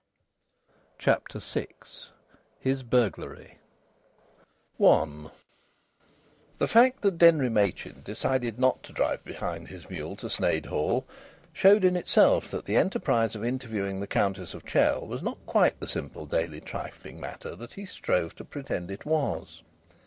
CHAPTER VI HIS BURGLARY I The fact that Denry Machin decided not to drive behind his mule to Sneyd Hall showed in itself that the enterprise of interviewing the Countess of Chell was not quite the simple daily trifling matter that he strove to pretend it was.